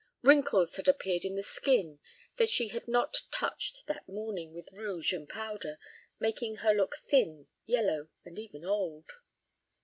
Wrinkles had appeared in the skin that she had not touched that morning with rouge and powder, making her look thin, yellow, and even old.